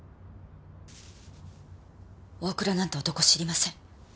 大倉なんて男知りません。